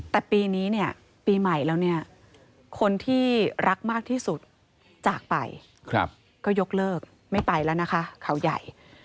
แต่ปีนี้เนี่ยปีใหม่แล้วเนี่ยคนที่รักมากที่สุดจากไปก็ยกเลิกไม่ไปแล้วนะคะเขาใหญ่